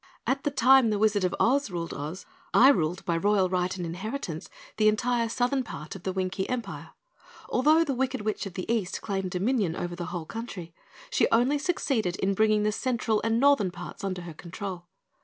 "At the time the Wizard of Oz ruled Oz I ruled by royal right and inheritance the entire southern part of the Winkie Empire. Although the Wicked Witch of the East claimed dominion over the whole country, she only succeeded in bringing the central and northern parts under her control.